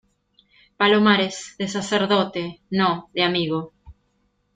palomares, de sacerdote , no , de amigo.